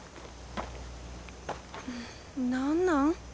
何なん？